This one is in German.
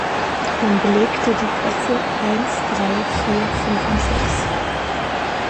Man belegte die Plätze eins, drei, vier, fünf und sechs.